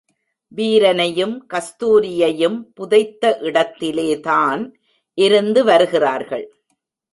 வீரனையும், கஸ்தூரியையும் புதைத்த இடத்திலே தான் இருந்து வருகிறார்கள்.